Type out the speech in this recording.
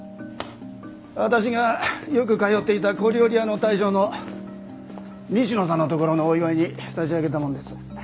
私がよく通っていた小料理屋の大将の西野さんのところのお祝いに差し上げたものです。